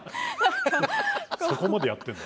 そこまでやってんだ。